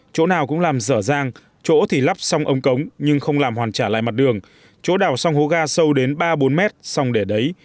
chỗ nào cũng làm dở dang chỗ thì lắp xong ống cống nhưng không làm hoàn trả lại mặt đường chỗ đào xong hố ga sâu đến ba bốn mét xong để đấy